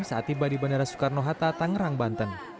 saat tiba di bandara soekarno hatta tangerang banten